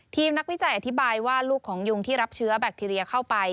นักวิจัยอธิบายว่าลูกของยุงที่รับเชื้อแบคทีเรียเข้าไป